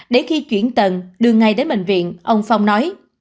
để khi chuyển tầng đưa ngay đến bệnh viện ông phong nói